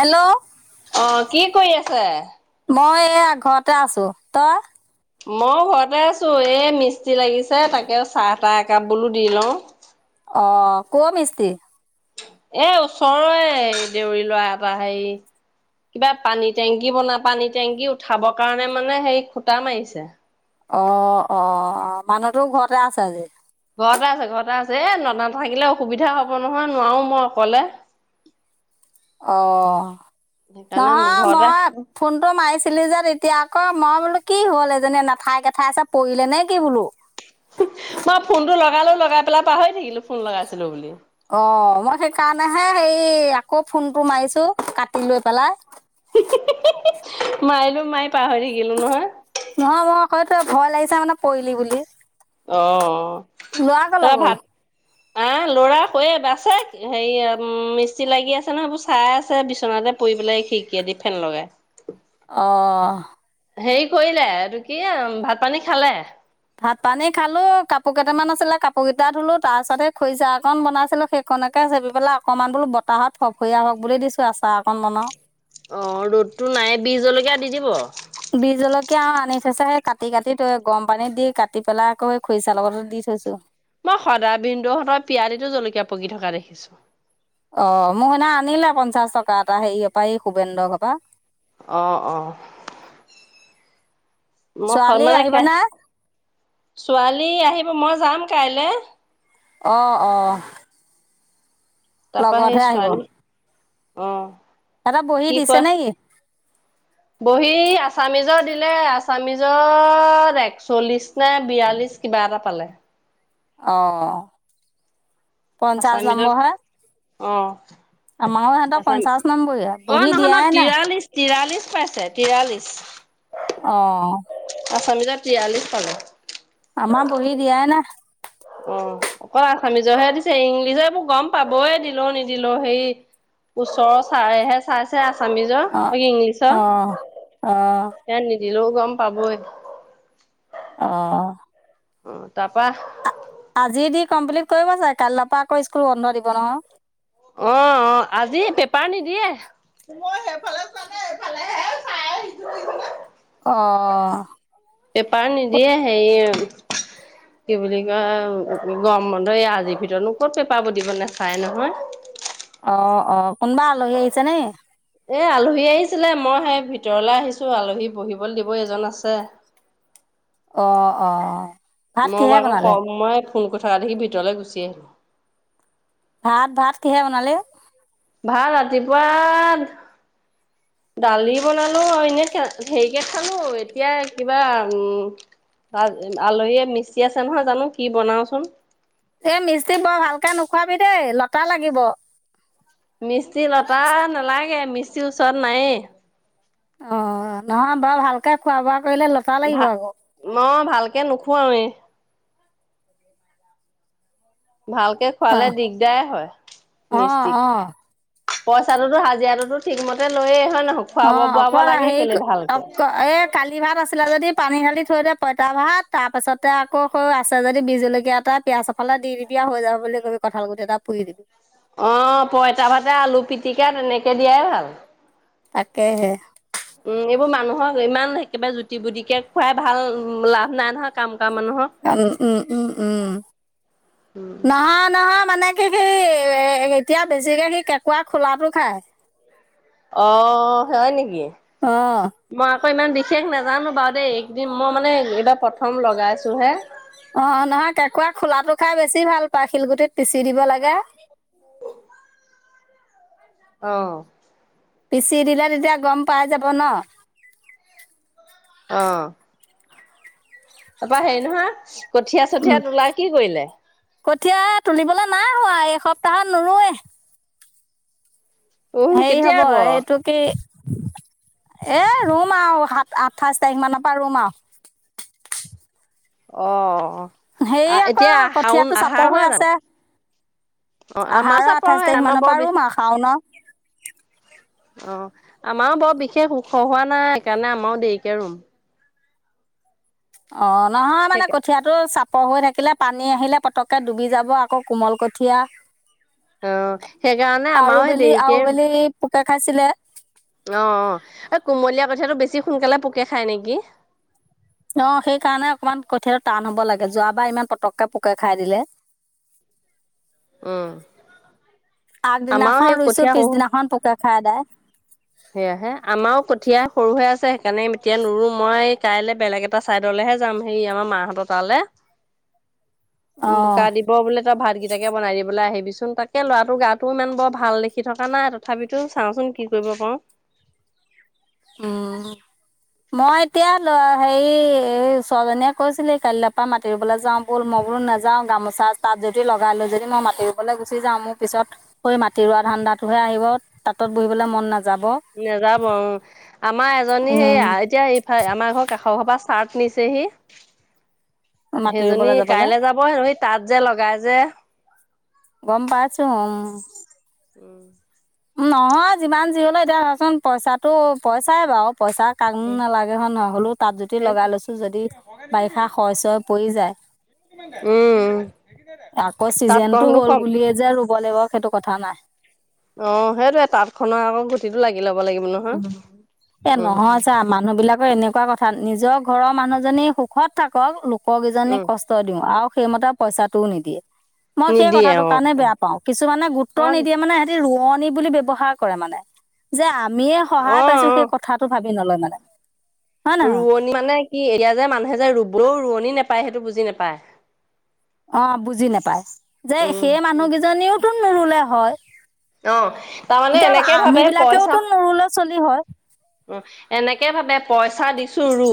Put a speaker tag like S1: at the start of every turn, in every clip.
S1: Hello
S2: আহ কি কৰি আছে?
S1: এ ঘৰতে আছো তই?
S2: মই ঘৰতে আছো এই মিস্ত্ৰী লাগিছে তাকে চাহ তাহ একাপ বোলো দি লওঁ।
S1: অ' কোৱা মিস্ত্ৰী
S2: এ ওচৰৰে দেউৰী লৰা এপ হেৰি কিবা পানী টেংকি বনা পানী টেংকি উঠাব কাৰণে মানে সেই খুটা মাৰিছে।
S1: অ' অ' মানুহটো ঘৰতে আছে আজি।
S2: ঘৰতে আছে ঘৰতে আছে এ ন নাথাকিলে অসুবিধা হব নহয় নোৱাৰো মই অকলে
S1: অ'
S2: সেইকাৰণে
S1: নহয়
S2: ঘৰতে
S1: মই ফোন টো মাৰিছিলি যে তেতিয়া আকৌ মই বোলো কি হ'ল এজনী নাথাই কেঠাই আছে পৰিলে নে কি বোলো
S2: মই ফোন টো লগালো লগাই পেলাই পাহৰি থাকিলো ফোন লগাইছিলো বুলি
S1: অ মই সেইকাৰণেহে হেৰি আকৌ ফোনটো মাৰিছো কাটি লৈ পেলাই
S2: মাৰিলো মায়ে পাহৰি থাকিলো নহয়
S1: হয়ত ভয় লাগিছে মানে পৰিলি বুলি
S2: অ
S1: ল'ৰা কলৈ
S2: তৰা
S1: গ'ল
S2: ভাত আহ লৰা কে বাছে হেৰি মিস্ত্ৰী লাগি আছে নহয় এইবোৰ চাই আছে বিচনাত পৰি পেলাই খিৰিকিযে দি ফেন লগাই
S1: অ
S2: হেৰি কৰিলে এইটো কি ভাত পানী খালে
S1: ভাত পানী খালো কাপোৰ কেইটামান আছিলে কাপোৰ কেইটা ধুলো তাৰ পাছতে খৰিজাকন বনাইছিলো সেইখন এনেকে চেপ পেলাই অকণমান বোলো বতাহত ফফৰীয়া হওক বুলি দিছোঁ আচা
S2: অ ৰ'দটো নাই বিজলকীয়া দি দিব
S1: বিজ জলকীয়া আৰু আনি থছো সেই কাটি কাটি গৰম পানীত দি কাটি পেলাই আকৌ খৰিচা লগত দি [unintelligible]
S2: মই সদাই বিন্দুহঁতৰ পিয়ালিতো জলকীয়া পকি থকা দেখিছো
S1: অ মোক সেইদিনা আনিলে পঞ্চাশ টকা এটা হেৰি পৰা এই শুভেন্দ্ৰ ঘৰ পৰা
S2: অঁ অঁ মই
S1: ছোৱালী
S2: মানে
S1: আহিব নে
S2: ছোৱালী আহিব মই যাম কাইলে
S1: অ' অঁ
S2: তাৰপা সেই
S1: লগতহে আহিব
S2: ছোৱালী অ
S1: এটা বহি
S2: কি
S1: দিছে
S2: কয়
S1: নে কি
S2: বহি আচামিজৰ দিলে আছামিজত একচল্লিশ নে বিয়াল্লিশ কিবা এটা পালে
S1: অ পঞ্চাশ
S2: আছামিজত
S1: নম্বৰ হে
S2: অ',
S1: আমাৰো সিহতক
S2: আছাম
S1: পঞ্চাশ নম্বৰীয়া
S2: অ',
S1: বহী
S2: নহয় নহয়
S1: দিয়াই নাই
S2: তিৰাল্লিশ তিৰাল্লিশ পাইছে তিৰাল্লিশ
S1: অ
S2: পঞ্চল্লিছ ত তিয়াল্লিশ চন
S1: আমাৰ বহি দিয়াই না
S2: অ অকল আছামিজৰহে দিছে ইংলিছে বোৰ গম পাবয়ে দিলো নিদিলো হেৰি ওচৰৰ চাৰহে চাইচে আছামিজ অ
S1: অ অ
S2: ইংলিছৰ দিলেও গম পাবই
S1: অ
S2: উ তাৰাপা
S1: আজি দি কমপ্লিট কৰিব চাগে কালৈৰ পৰা আকৌ স্কুল বন্ধ দিব নহয়
S2: অ অ আজি পেপাৰ নিদিয়ে
S1: [inaudible] অ
S2: পেপাৰ নিদিয়ে হেৰি কি বুলি কয় গমৰ বন্ধ এই আজিৰ ভিতৰতনো ক'ত পেপাৰাব দিব নেচাই নহয়
S1: অ অ কোনবা আলহী আহিছে নেকি
S2: এ আলহী আহিছিলে মই সেই ভিতৰলে আহিছো আলহী বহিবলৈ দিব এজন আছে [inaudible]
S1: অঁ অঁ
S2: মই বা আকৌ কম মই ফোন কৰি থকা দেখি ভিতৰলে গুচি আহিলো
S1: ভাত ভাত কিহেৰে বনালি
S2: ভাত ৰাতিপুৱা দালি বনালো আৰু এনে হেৰিকে খালো এতিয়া কিবা উম আলহীয়ে মিস্ত্ৰী আছে নহয় জানো কি বনাওচোও
S1: এই মিস্ত্ৰী বৰ ভালকে নোখোৱাবি দেই লতা লাগিব।
S2: মিস্ত্ৰী লতা নালাগে মিস্ত্ৰীৰ ওচৰত নাইয়ে।
S1: অ', নহয় বাৰু ভালকে খোৱা বোৱা কৰিলে লতা লাগিব আকৌ।
S2: কে নোখুৱাউ এ ভালকে খোৱালে দিগদাৰ হয়
S1: অ অ
S2: মিস্তিৰক।
S1: অ
S2: পইচাটোতো হাজিৰাটোতো ঠিকমতে লৈয়ে হয় নহয়। খুৱাব
S1: অ'
S2: বোৱাব
S1: অকল
S2: লাগে কেলে
S1: হেৰি অ'
S2: ভালকে
S1: এই কালি ভাত আছিলে যদি পানী ধালি দিয় পইতা ভাত তাৰ পিছতে আকৌ সৌ আছে যদি বিজ জলকীয়া এটা পিয়াজ এফালে দি দিবি হৈ যাব বুলি। কঠাল গুতি এটা পুৰি দিবি।
S2: তিয়া তেনেকে দিয়াই ভাল।
S1: তাকেহে,
S2: উম, এইবোৰ মানুহক ইমান একেবাৰে জুতি পুটিকে খুৱাই ভাল লাভ নাই নহয়। কাম কৰা মানুহক
S1: উম-উম-উম,
S2: উম
S1: নহয়-নহয় মানে সি-সি এ এতিয়া বেছিকে সি কেঁকোৱা খোলাটো খায়।
S2: অ' হয় নেকি?
S1: অহ,
S2: মই আকৌ ইমান বিশেষ নাজানো বাৰু দেই একদিন মই মানে এইবাৰ প্ৰথম লগাইছো হে।
S1: অ' নহয় কেঁকুৰা খোলাটো খাই বেছি ভাল পায় শিলগুটিত পিচি দিব লাগে।
S2: [unintelligible] অহ,
S1: পিচি দিলে তেতিয়া গম পাই যাব ন।
S2: অহ, তাৰপৰা হেৰি নহয়
S1: উম
S2: কঠীয়া-চঠিয়া তুলা কি কৰিলে?
S1: কঠীয়া তুলিবলৈ নাই হোৱা এই এসপ্তাহত নোৰোৱে।
S2: উম
S1: হেৰি
S2: কেতিয়া
S1: হ'ব
S2: ৰুব
S1: এইটো কি এ ৰুম ৰুম আৰু সাত আঠাইশ তাৰিখ মানৰ পৰা ৰুম আৰু।
S2: অ',
S1: হে আকৌ
S2: এতিয়া শাওন
S1: কঠিয়াতটো
S2: আহাৰ
S1: চাপৰ হৈ
S2: নহয় জানো
S1: আছে।
S2: অ আমাৰ
S1: আহাৰ আৰু
S2: চাপৰ
S1: আঠাইশ
S2: হয়
S1: তাৰিখ
S2: আমাৰ
S1: মানৰ
S2: বৰ
S1: পৰা
S2: বি
S1: ৰুম আৰু শাওনৰ।
S2: অ' আমাৰো বৰ বিশেষ ওখ হোৱা নাই সেইকাৰণে আমাৰও দেৰিকে ৰুম।
S1: অ' নহয় মানে
S2: সেইকা
S1: কঠিয়াতটো চাপ পৰ হৈ থাকিলে পানী আহিলে পতককে ডুবি যাব আকৌ কোমল কঠীয়া।
S2: অ সেইকাৰণে
S1: আৰু
S2: আমাৰো সেই
S1: বেলি আৰু বেলি পোকে খাইছিলে।
S2: অ-অ এই কুমলীয়া কথাাতটো বেছি সোনকালে পোকে খায় নেকি?
S1: অ' সেইকাৰণে অকমান কঠিয়াল টান হব লাগে যোৱাবাৰ ইমান পটককে পোকে খাই দিলে।
S2: উ [inaudible] আমাৰো সেই
S1: আগদিনাখন ৰুইছো
S2: কঠীয়া সৰু
S1: পিছদিনাখন পুকে। খাই আদাই।
S2: সেয়াহে আমাৰো কঠীয়া সৰু হৈ আছে সেইকাৰণে এতিয়া নোৰো মই কাইলৈ বেলেগ এটা চাইদলৈ হে যাম হে আমাৰ মাহঁত তালে। বোকা দিব বোলে তই ভাতকেইটাকে বনাই দিবলৈ আহিব। ভাবিচোন তাকে ল'ৰাটোৰ গাটোও ইমান বৰ ভাল দেখি থকা নাই তথাপিতো চাওঁচোন কি কৰিব পাৰোঁ।
S1: উম, মই এতিয়া ল হেৰি এই ওচৰজনীয়ে কৈছিলি কাইলৈ পৰা মাতিবলৈ যাও বল, মই বোলো নাযাও গামোচা তাত যদি লগাই লো যদি মই মাটতি ৰুবলৈ গুচি যাওঁ মোৰ পিছত সেই মাটি ৰোৱা ধান ধাণ্ডাটোহে আহিব তাঁতত বহিবলৈ মন নাযাব।
S2: নেযাব অ আমাৰ এজনী সেই
S1: উম,
S2: এতিয়া এইফাল আমাৰ ঘৰ কাষৰ ঘৰ পৰা চাৰ্ট নিছেহি।
S1: মাটি
S2: সেইজনী
S1: ৰুবলৈ যাবলৈ
S2: কাইলে যাব হেনো সেইজনী তাত যে লগাই যে।
S1: গম পাইছোঁ অ' উম,
S2: উম,
S1: নহয় যিমান যি হলে এতিয়া ধচোন পইচাটো পইচাই বাৰু। পইচা কাকনো নালাগে হয় নহয়, হ'লেও তাত যদি
S2: সেই
S1: লগাই লৈছোঁ যদি বাৰিষা শয় চয় পৰি যায়
S2: উম
S1: আকৌ চিজনটো
S2: তাঁতখনো
S1: হ'ল
S2: কম
S1: বুলিয়ে যে ব লাগিব সেইটো কথা নাই।
S2: অ সেইটোৱে তাঁত খনৰ আকৌ গুটিটো লাগ
S1: এ নহয় ছা মানুহবিলাকৰ এনেকুৱা কথা নিজৰ ঘৰৰ মানুহজনী সুখত থাকক লোককেইজনী
S2: উম
S1: কষ্ট দিও আৰু সেইমতে পইচাটোও নিদিয়ে। মই সেই
S2: নিদিয়ে
S1: কথাটো
S2: অ
S1: কাৰণে
S2: অ
S1: বেয়া পাও কিছুমানে গুৰুত্ব
S2: অ
S1: নিদিয়ে মে সিহঁতি ৰুৱত নী বুলি ব্যৱহাৰ কৰে মানে যে আমিয়ে
S2: অ
S1: সহায় পাইছো
S2: অ
S1: সেই কথাটো ভাবি নলয় মানে। হয় নহয়
S2: ৰোৱনী মানে কি এতিয়া যে মানুহে যে ৰুবও ৰোৱনি নাপায় সেইটো বুজি নাপায়।
S1: অ বুজি নাপায়, যে
S2: উম
S1: সেই মানুহ কেইজনীওতো নৰুলে হয়।
S2: অ তাৰমানে
S1: এতিয়া
S2: এনেকে
S1: আমি
S2: ভাবে পইচা
S1: বিলাকেওতো নোৰুলে চলি হয়
S2: অ এনেকে ভাবে পইচা দিছো ৰু।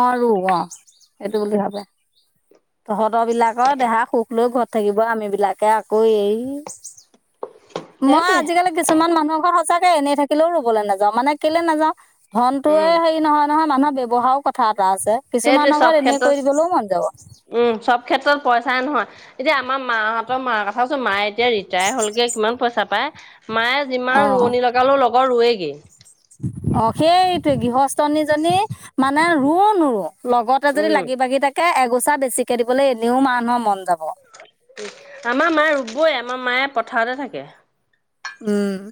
S1: অ ৰু অ সেইটো বুলি ভাবে। তহঁতৰ বিলাকৰ দেহা সুখ লৈ ঘৰত থাকিব আমিবিলাকে আকৌ এ মই
S2: সেইটোৱে
S1: আজিকালি কিছুমান মানুহ এখন সঁচাকে এনেই থাকিলেও ৰুবলৈ নাযাও মানে কেলে নাযাওঁ ধনটো
S2: উম
S1: য়ে হেৰি নহয় নহয় মানুহৰ ব্যয়ৱহাৰো কথা এটা আছে
S2: সেইটোৱে
S1: কিছুমানৰ ঘৰত
S2: চব
S1: এনে কৰি দিবলৈও মন যাব
S2: ক্ষেত্ৰত উম চব ক্ষেত্ৰত পইচাই নহয়। এতিয়া আমাৰ মাহঁতৰ মাৰ কথাছো মায়ে এতিয়া ৰিটায়াৰ হলকে কিমান পইচা পায়? মায়ে যিমান
S1: অ
S2: ৰোৱনী লগালো লগৰ ৰুয়েগে।
S1: অ সেইটোৱে গৃহস্থনীজনী মানে ৰু নৰু। লগতে যদি
S2: উম
S1: লাগি বাগি থাকে এগোচা বেছিকে দিবলৈ এনেও মানুহৰ মন যাব।
S2: আমাৰ মা ৰুবই আমাৰ মায়ে পথাৰতে থাকে।
S1: উম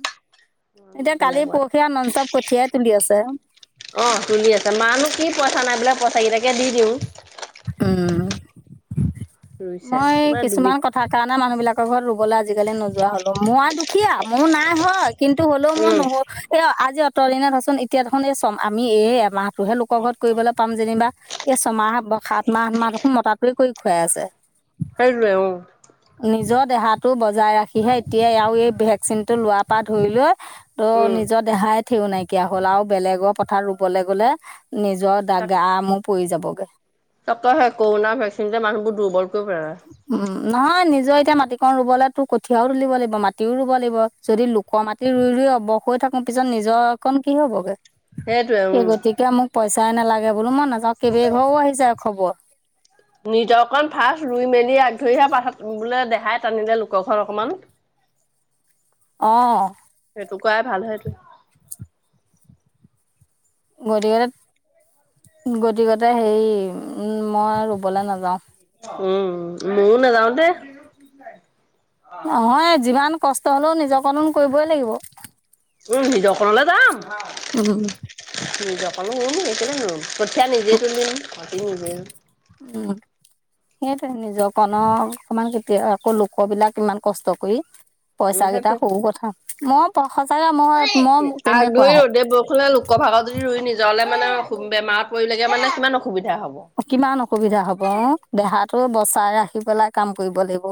S2: আমাৰ
S1: এতিয়া কালি
S2: তেনেকুৱা
S1: পৰখীয়া নন চপ কঠিয়াই তুলি আছে।
S2: অ তুলি আছে মানুহ কি পইচা নাই বোলে পইচা কেইটাকে দি দিওঁ।
S1: উম
S2: ৰুইছে
S1: মই
S2: তোমাৰ দুবি
S1: কিছুমান কথা কাৰণে মানুহ বিলাক ম ঘৰত ৰুবলৈ আজিকালি নোযোৱা হ'লো মোৰ আৰু দুখীয়া মোৰ নাই হয়। কিন্তু হ'লেও মই
S2: উম
S1: নহো এ আজি অঁতৰ দিনতচোন এতিয়া দেখোন এই চম আমি এ মাহতটোহে লোকৰ ঘৰত কৰিবলৈ পাম যেনিবা এই ছমাহ সাত মাহ আঠ মাহ দেখোন মতা টোৱে কৰি খুৱাই আছে।
S2: হোৱে অ'।
S1: নিজৰ দেহাটো বজাই ৰাখিহে এতিয়া আৰু এই ভেকচিন টো লোৱাৰ পৰা ধৰি লৈ ত
S2: উম
S1: নিজৰ দেহাই থঠেউ নাইকিয়া হ'ল আৰু বেলেগৰ পথাৰ ৰুবলৈ গলে নিজৰ দ গামো পৰি যাবগৈ।
S2: তে কৰোণাৰ ভেকচিন যে মানুহবোৰ দুৰ্বল কৰি পেলালে
S1: উম নহয় নিজৰ তেতিয়া মাটিকন ৰুবলে তোৰ কঠিয়াও তুলিব লাগিব মাটিও ৰুব লাগিব যদি লোক মাটি ৰুই ৰুই অৱস হৈ থাকো ত পিছত নিজৰ অকণ কি হ'বগৈ।
S2: সেইটোৱে
S1: সেই
S2: উম
S1: গতিকে মোক পইচাই নালাগে বোলো মই নাযাওঁ কেইবঘৰও আহিছে আৰু খবৰ।
S2: নিজৰ অকণ ফাৰ্ষ্ট ৰুই মেলি আগ ধৰিহে পঠত বোলে দেহাই টানিলে লোকখন অকমান [inaudible]
S1: অ'।
S2: তো কৰাই ভাল হয় তোৰ।
S1: [unintelligible] গতিকে তাৰ সেই উম মই ৰুবলৈ নাযাওঁ।
S2: উম, ময়ো নাযাওঁ দে।
S1: নহয় যিমান কষ্ট হ'লেও নিজকন কৰিবই লাগিব।
S2: উম নিজৰখনলে যাম
S1: উম
S2: নিজৰখনত ৰুম গেলেই নুৰুম। কঠিয়া নিজে তুলিম মাতি নিজে
S1: সেইয়টো নিজৰ কণৰ অকমান কেতিয়া আকৌ লোকবলাক ইমান কষ্ট কৰি
S2: উম
S1: পইচা কেইটা
S2: সেইটোৱে
S1: সৰু কথা মই পাওঁ।
S2: আগ ধৰি ৰ'দে বৰষুণে লোকৰ ভাগতদি ৰুই নিজৰলে মানে বেমাৰত পৰিলেগে মানে সিমান
S1: কিমান অসুবিধা হব দেহাটো বচাই ৰাখি পেলাই কাম কৰিব লাগিব।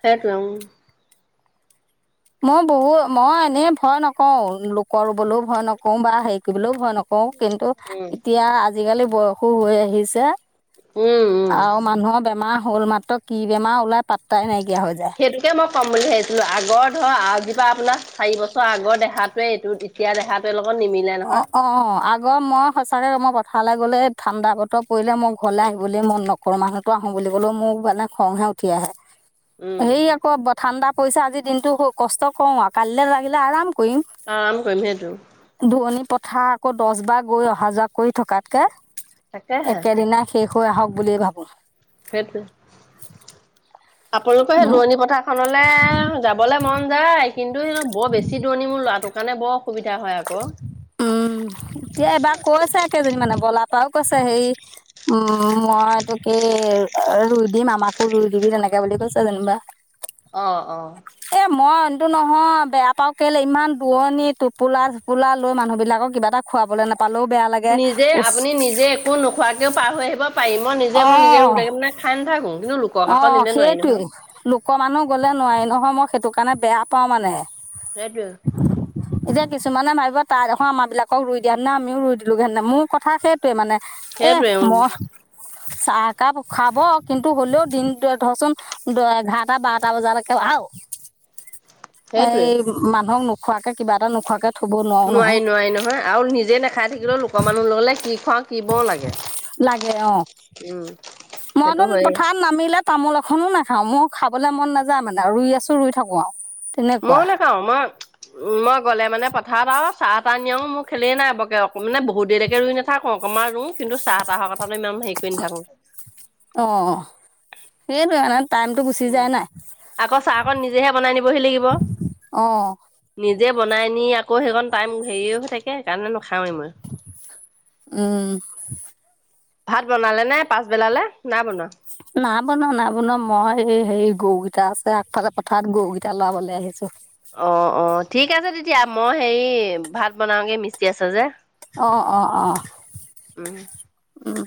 S2: সেইটোয়ে উম'।
S1: মই বহুত মই এনেই ভয় নকওঁ লোক ৰুবলৈও ভয় নকো বা হেৰি কৰিবলৈও ভয় নকওঁ কওঁ কিন্তু
S2: উম
S1: এতিয়া আজিকালি বয়স হৈ আহিছে।
S2: উম উম
S1: আৰু মানুহৰ বেমাৰ হ'ল মাত্ৰ কি বেমাৰ ওলাই পাতাই নাইকিয়া। হৈ যায়
S2: সেইটোকে মই কম বুলি ভাবিছিলো আগৰ ধৰ আজিপা আপোনাৰ চাৰি বছৰ আগৰ দেহাটোৱে এইটো এতিয়া দেহাটে
S1: অ', অ', আগৰ মই সচাকে কম পো উঠালে গ'লে ঠাণ্ডা বত পৰিলে মই ঘৰলৈ আহিবলৈ মন নকৰো মানুহতো আহো বুলি ক'লেও মোৰ মানে খংহে উঠা আহে
S2: উম,
S1: হেই আকৌ ঠাণ্ডা পৰিছো আজি দিনটো কষ্ট কৰো আৰু কালিলৈ লাগিলে আৰাম
S2: আৰাম কৰিম সেইটো।
S1: পোৱণি পথাৰ আকৌ দছবাৰ গৈ অহা-যোৱা কৰি থকাতকে,
S2: তাকেহে
S1: একেদিনাই শেষ থৈ আহক বুলিয়েই ভাবো।
S2: সেইটোয়ে। আপোনালোকৰ সেই
S1: উম
S2: দোৱণি পথাৰখনলৈ যাবলৈ মন যায় কিন্তু হেই বৰ বেছি দুৱণি, মোৰ ল'ৰাটোৰ কাৰণে বৰ অসুবিধা হয় আকৌ
S1: উম, এতিয়া এবাৰ কৈ আছে কেইজনী মানে বলা পাও কৈছে। হেই মই তোকেই ৰুই দিম, আমাকো ৰুই দিবিনে না বুলি কৈছা যেনিবা।
S2: অ', অ'।
S1: কিন্তু নহয়? বেয়া পাও কেলে, ইমান দুৰণনি টোপোলা পুলা লৈ মানুহবিলাকক কিবা এটা খোৱাবলে নাপ
S2: নিজে, আপুনি নিজে একো নোখোৱাকেও পাৰ হৈ আহিব পাৰি। মই নিজে,
S1: অ
S2: মই নিজে ৰুলেগে মানে খাই নথাক কো। কিন্ত লোক
S1: অ', সেইটোৱেই। লোকৰ মানুহ গ'লে নোৱাৰি নহয়, মই সেইটো কাৰণে বেয়া পাওঁ মানে।
S2: সেইটোৱে
S1: এতিয়া কিছুমানে ভাব তাই দেখন আমাৰ বিলাকক ৰুই দিয়া নাই আমিও ৰুই দিলোহেতেন। মোৰ ক সেইটোৱে মানে এ
S2: সেইটোৱে উম,
S1: মই চাহ একাপ খোৱাব, কিন্তু হ'লেও দিনটোৱে ধৰচোন এঘাৰটা-বাৰটা বজালৈকে বাও
S2: সেইটোৱে।
S1: এই মানুহক নোখোৱাকে, কিবা এটা নোখোৱাকে
S2: নোৱাৰি নোৱাৰি নহয়। আৰু নিজে নাখাই থাকিলেও লোকৰ মানুহৰ লগলে কি খোৱাওঁ
S1: লাগে, অ'।
S2: উম, সেইটো
S1: মইতোন
S2: হয়েই।
S1: পথাৰত নামিলে তামোল এখনো নাখাও। মোৰ খাবলৈ মন নাযায় মানে, ৰুই আছো, ৰুই থাকো আৰু। তেনেকুৱা
S2: ময়ো নেখাও। মই উম, মই গ'লে মানে পথাৰত আৰু চাহ-তাহ নিয়াও মোৰ খেলেই নাই ৰবকে। অকমানো বহু দেৰিলেকে ৰুই নাথাকো [unintelligible] কিন্তু চাহ-তাহৰ কথাটো ইমান হেৰি কৰি নাথাকো।
S1: অঁ সেইটোৱে মানে টাইমটো গুচি
S2: উম,
S1: যায় নাই
S2: আকৌ চাহ অকণ নিজেহে বনাই নিবহি লাগিব।
S1: অঁ
S2: নি জেই বনাইনি আকৌ সেইকণ টাইম হেৰিয়ে হৈ থাকে সেকাৰণে
S1: উম।
S2: ভাত বনালে নে? পাছবেলালে? নাই বনোৱা?
S1: নাই বনোৱা, নাই বনোৱা। মই এ হেই গৰুকেইটা আছে আগফালে পথাৰত, গৰুকেইটা লাৰাবলৈ আহিছো।
S2: অ', অ', ঠিক আছে তেতিয়া। মই হেৰি ভাত বনাওগে, মিস্ত্ৰী আছে যে।
S1: অ', অ', অ'।
S2: উম
S1: উম।